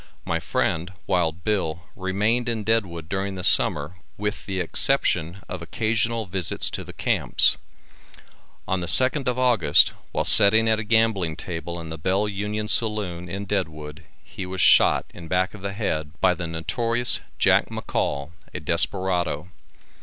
My friend, Wild Bill, remained in Deadwood during the summer with the exception of occasional visits to the camps. On the 2nd of August, while setting at a gambling table in the Bell Union saloon, in Deadwood, he was shot in the back of the head by the notorious Jack McCall, a desperado.